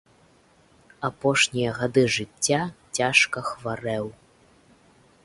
Апошнія гады жыцця цяжка хварэў.